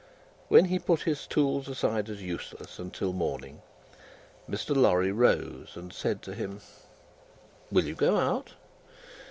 When he put his tools aside as useless, until morning, Mr. Lorry rose and said to him: "Will you go out?"